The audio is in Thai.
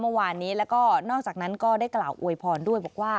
เมื่อวานนี้แล้วก็นอกจากนั้นก็ได้กล่าวอวยพรด้วยบอกว่า